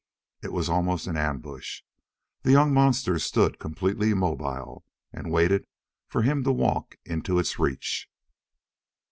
It was almost an ambush. The young monster stood completely immobile and waited for him to walk into its reach.